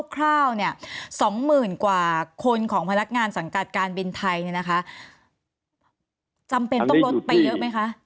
คร่าว๒หมื่นกว่าคนของพนักงานสังกัดการณ์บินไทยจำเป็นต้องลดไปเยอะไหมคะ